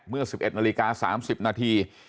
เมื่อ๑๑นาฬิกา๓๐นาที